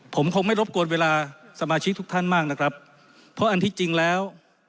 ผมคงไม่รบกวนเวลาสมาชิกทุกท่านมากนะครับเพราะอันที่จริงแล้ว